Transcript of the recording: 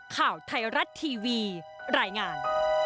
ข่าวไทยรัฐทีวีรายงาน